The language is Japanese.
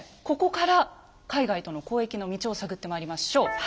ここから海外との交易の道を探ってまいりましょう。